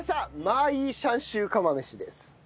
マーイーシャンシュー釜飯です。